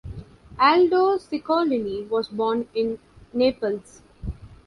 Aldo Ciccolini was born in Naples.